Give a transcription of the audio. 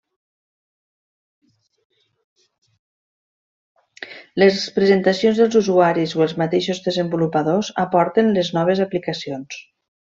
Les presentacions dels usuaris o els mateixos desenvolupadors aporten les noves aplicacions.